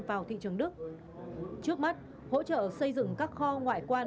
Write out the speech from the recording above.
vào thị trường đức trước mắt hỗ trợ xây dựng các kho ngoại quan